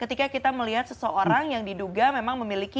ketika kita melihat seseorang yang diduga memang memiliki